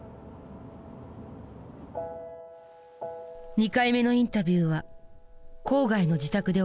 ２回目のインタビューは郊外の自宅で行われた。